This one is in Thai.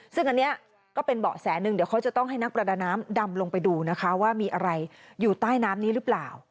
ซึ่งอันนี้ก็เป็นเบาะแสหนึ่งเดี๋ยวเขาจะต้องให้นักประดาน้ำดำลงไปดูนะคะว่ามีอะไรอยู่ใต้น้ำนี้หรือเปล่า